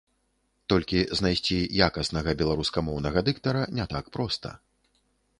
Толькі знайсці якаснага беларускамоўнага дыктара не так проста.